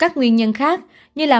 các nguyên nhân khác như là